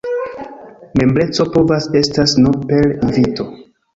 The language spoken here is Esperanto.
Membreco povas estas nur per invito.